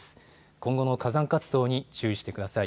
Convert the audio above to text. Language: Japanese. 今後の火山活動に注意してください。